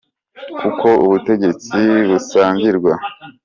kuko ubutegetsi busangirwa.